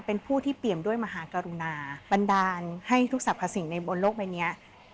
เป็นผู้ที่เปี่ยมด้วยมหากรุณาบันดาลให้ทุกสรรพสิ่งในบนโลกใบนี้